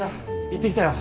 行ってきたよ